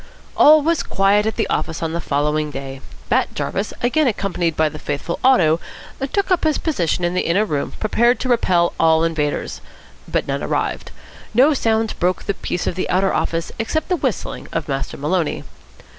All was quiet at the office on the following day. Bat Jarvis, again accompanied by the faithful Otto, took up his position in the inner room, prepared to repel all invaders; but none arrived. No sounds broke the peace of the outer office except the whistling of Master Maloney.